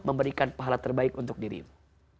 memberikan pahala terbaik untuk dirimu